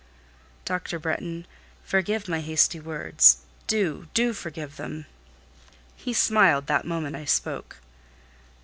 "Dr. Bretton, forgive my hasty words: do, do forgive them." He smiled that moment I spoke.